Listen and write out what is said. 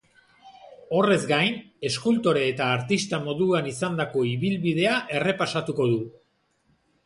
Horrez gain, eskultore eta artista moduan izandako ibilbidea errepasatuko du.